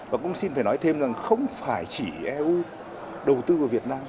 và cũng xin phải nói thêm rằng không phải chỉ eu đầu tư vào việt nam